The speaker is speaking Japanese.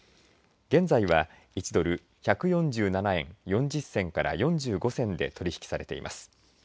現在は１ドル１４７円４０銭から４５銭で取り引きされています。